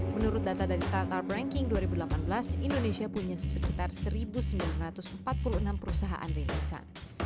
menurut data dari startup banking dua ribu delapan belas indonesia punya sekitar satu sembilan ratus empat puluh enam perusahaan rilisan